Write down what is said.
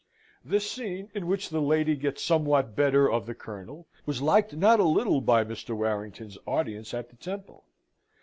This scene, in which the lady gets somewhat better of the Colonel, was liked not a little by Mr. Warrington's audience at the Temple.